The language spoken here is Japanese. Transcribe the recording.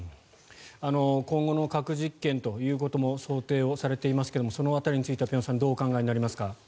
今後の核実験ということも想定されていますがその辺りについては辺さんどうお考えになりますか。